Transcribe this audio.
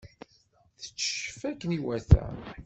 Tetteccef akken iwata.